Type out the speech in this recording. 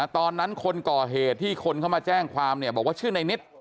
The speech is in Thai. ตอนนั้นคนก่อเหตุที่คนเข้ามาแจ้งความบอกว่าชื่อในนิต